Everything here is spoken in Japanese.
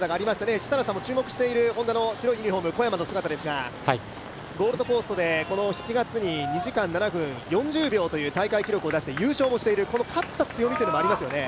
設楽さんも注目しているＨｏｎｄａの小山ですがゴールドコーストで、この７月に２時間７分４０秒という大会記録を出して、優勝しているという勝った強みもありますよね。